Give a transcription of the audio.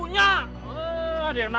tunggu tunggu tunggu